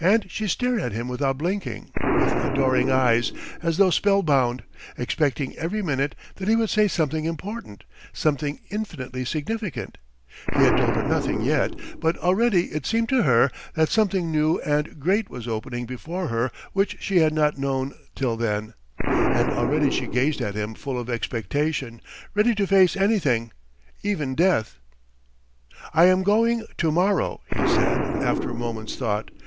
And she stared at him without blinking, with adoring eyes, as though spellbound, expecting every minute that he would say something important, something infinitely significant; he had told her nothing yet, but already it seemed to her that something new and great was opening before her which she had not known till then, and already she gazed at him full of expectation, ready to face anything, even death. "I am going to morrow," he said after a moment's thought.